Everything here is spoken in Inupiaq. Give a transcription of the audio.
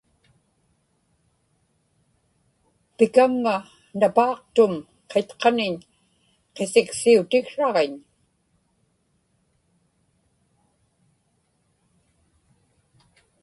pikaŋŋa napaaqtum qitqaniñ qisiqsiutiksraġiñ